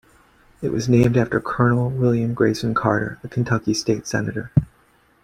It was named after Colonel William Grayson Carter, a Kentucky state Senator.